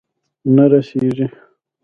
نه رسیږې